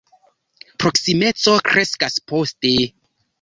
Proksimeco kreskas poste.